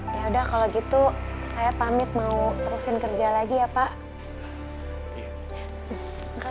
ya udah kalau gitu saya pamit mau terusin kerja lagi ya pak